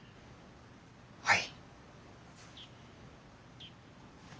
はい。